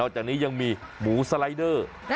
จากนี้ยังมีหมูสไลเดอร์